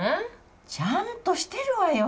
ちゃんとしてるわよ。